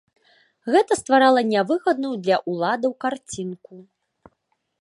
Гэта стварала нявыгадную для ўладаў карцінку.